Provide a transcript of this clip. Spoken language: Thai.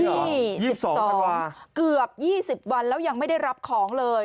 วันนี้เหรอ๒๒ธันวาลเกือบ๒๐วันแล้วยังไม่ได้รับของเลย